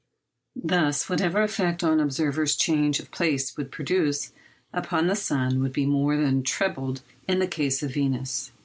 Thus whatever effect an observer's change of place would produce upon the sun would be more than trebled in the case of Venus.